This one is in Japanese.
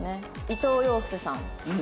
伊藤庸介さん。